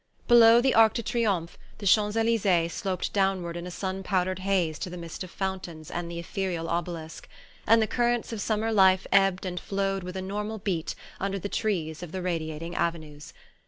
Below the Arc de Triomphe, the Champs Elysees sloped downward in a sun powdered haze to the mist of fountains and the ethereal obelisk; and the currents of summer life ebbed and flowed with a normal beat under the trees of the radiating avenues.